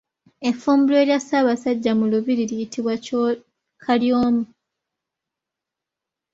Effumbiro erya Ssaabasajja mu lubiri liyitibwa Kalyomu.